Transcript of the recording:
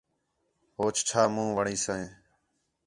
ہوچ چھا مُون٘ھ وڑائینیس